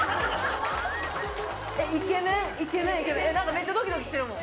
・めっちゃドキドキしてるもん。